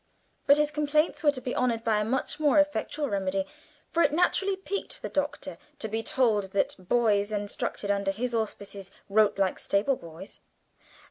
But his complaints were to be honoured by a much more effectual remedy, for it naturally piqued the Doctor to be told that boys instructed under his auspices wrote like stable boys.